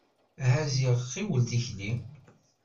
Aha ziɣ ɣiwel tikli.